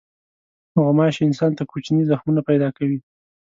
غوماشې انسان ته کوچني زخمونه پیدا کوي.